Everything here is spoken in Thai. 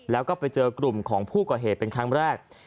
แล้วก็ไปเจอกลุ่มของผู้ก่อเหตุเป็นครั้งแรก